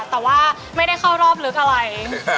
แต่ว่าไม่ได้เข้ารอบลึกอะไร